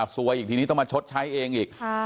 ซวยอีกทีนี้ต้องมาชดใช้เองอีก